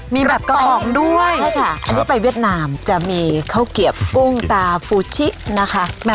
มีแบบกล่องด้วยใช่ค่ะอันนี้ไปเวียดนามจะมีข้าวเกียบกุ้งตาฟูชินะคะ